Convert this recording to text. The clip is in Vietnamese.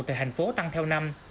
tại thành phố tăng theo năm